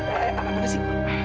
eh apaan sih